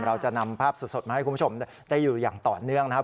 เราจะนำภาพสดมาให้คุณผู้ชมได้อยู่อย่างต่อเนื่องนะครับ